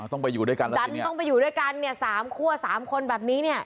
ต้องไปอยู่ด้วยกัน๓คั่ว๓คนแบบนี้เนี่ย